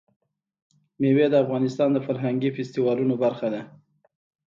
مېوې د افغانستان د فرهنګي فستیوالونو برخه ده.